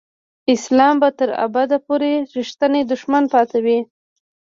اسلام به تر ابده پورې رښتینی دښمن پاتې وي.